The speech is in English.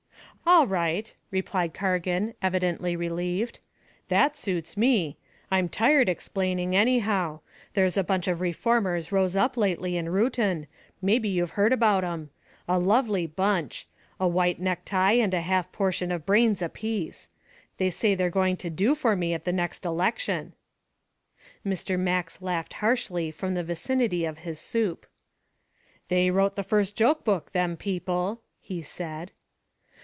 "All right," replied Cargan, evidently relieved. "That suits me. I'm tired explaining, anyhow. There's a bunch of reformers rose up lately in Reuton maybe you've heard about 'em. A lovely bunch. A white necktie and a half portion of brains apiece. They say they're going to do for me at the next election." Mr. Max laughed harshly from the vicinity of his soup. "They wrote the first joke book, them people," he said.